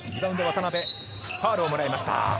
ファウルをもらいました。